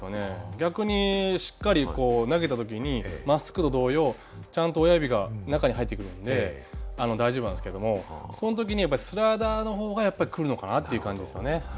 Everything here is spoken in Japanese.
逆にしっかり投げた時にまっすぐと同様ちゃんと親指が中に入ってくるので大丈夫なんですけれどもその時にやっぱりスライダーの方がくるのかなっていう感じですよね。